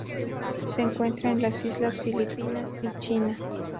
Se encuentra en las Islas Filipinas y China.